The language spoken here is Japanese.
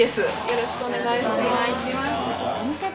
よろしくお願いします尾崎です。